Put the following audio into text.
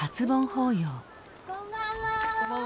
こんばんは。